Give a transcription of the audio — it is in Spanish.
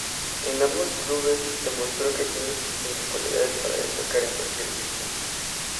En ambos clubes demostró que tiene suficientes cualidades para destacar en cualquier equipo.